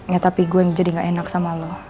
ya tapi gue yang jadi gak enak sama lo